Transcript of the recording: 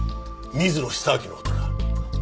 水野久明の事だ。